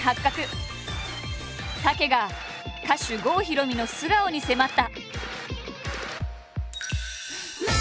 武が歌手郷ひろみの素顔に迫った。